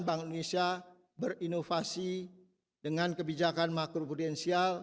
bank indonesia berinovasi dengan kebijakan makro prudensial